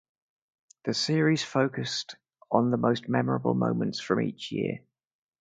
The series focused on the most memorable moments from each year.